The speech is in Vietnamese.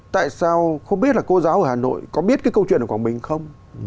tại sao không biết là cô giáo ở hà nội có biết cái câu chuyện ở quảng bình không